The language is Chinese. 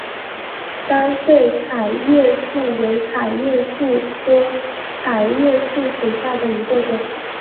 单穗桤叶树为桤叶树科桤叶树属下的一个种。